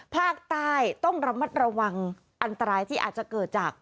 ภาคใต้ต้องระมัดระวังอันตรายที่อาจจะเกิดจาก